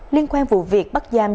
liên quan vụ việc bắt giam